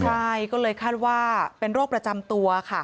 ใช่ก็เลยคาดว่าเป็นโรคประจำตัวค่ะ